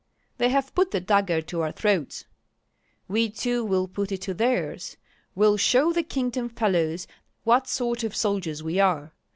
"They have put the dagger to our throats." "We too will put it to theirs; we'll show the kingdom fellows what sort of soldiers we are!